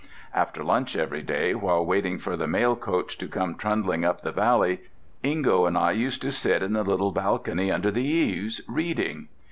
After lunch every day, while waiting for the mail coach to come trundling up the valley, Ingo and I used to sit in the little balcony under the eaves, reading.